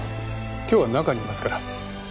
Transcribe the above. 今日は中にいますから。